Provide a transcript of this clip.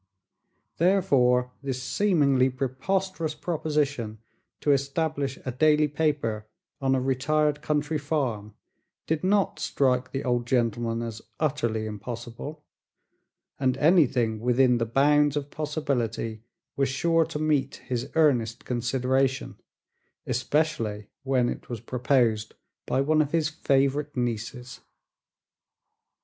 Therefore, this seemingly preposterous proposition to establish a daily paper on a retired country farm did not strike the old gentleman as utterly impossible, and anything within the bounds of possibility was sure to meet his earnest consideration, especially when it was proposed by one of his favorite nieces.